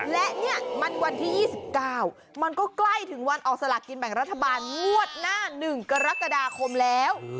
และเนี่ยมันวันที่๒๙มันก็ใกล้ถึงวันออกสลากกินแบ่งรัฐบาลงวดหน้า๑กรกฎาคมแล้ว